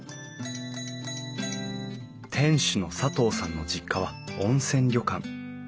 店主の佐藤さんの実家は温泉旅館。